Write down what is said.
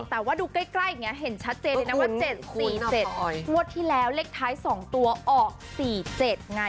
แต่ว่าดูใกล้เห็นชัดเจนนะว่า